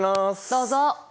どうぞ。